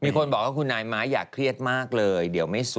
มีคนบอกว่าคุณนายม้าอย่าเครียดมากเลยเดี๋ยวไม่สวย